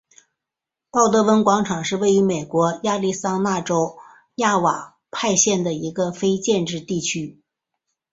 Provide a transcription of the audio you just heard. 鲍德温广场是位于美国亚利桑那州亚瓦派县的一个非建制地区。